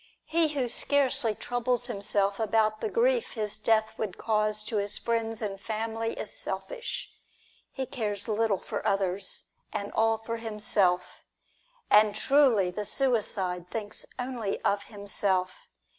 He who scarcely troubles himself about the grief his death would cause to his friends and family PLOTINUS AND PORPHYRIUS. 195 is selfish ; he cares little for others, and all for himself. And truly, the suicide thinks only of himself.